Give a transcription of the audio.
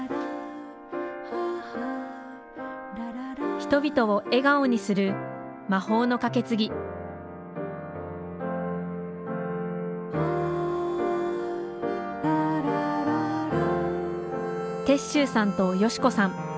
人々を笑顔にする魔法のかけつぎ鉄舟さんと佳子さん